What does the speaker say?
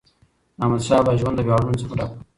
د احمدشاه بابا ژوند د ویاړونو څخه ډک و.